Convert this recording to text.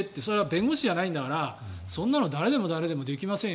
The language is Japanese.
弁護士じゃないんだからそんなのは誰でもできませんよ。